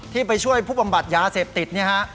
ไปช่วยผู้บำบัดยาเสพติดเนี่ยฮะ